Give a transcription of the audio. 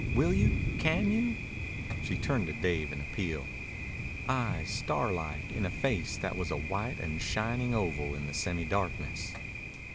"Will you? Can you?" She turned to Dave in appeal, eyes starlike in a face that was a white and shining oval in the semi darkness.